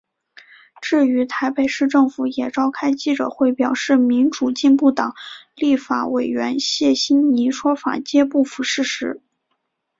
至于台北市政府也召开记者会表示民主进步党立法委员谢欣霓说法皆不符事实。